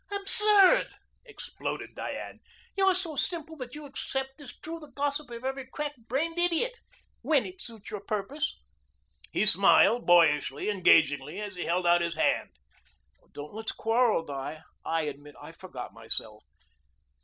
"Absurd!" exploded Diane. "You're so simple that you accept as true the gossip of every crack brained idiot when it suits your purpose." He smiled, boyishly, engagingly, as he held out his hand. "Don't let's quarrel, Di. I admit I forgot myself."